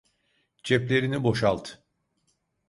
Ceplerini boşalt.